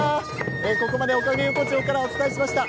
ここまで、おかげ横丁からお伝えしました。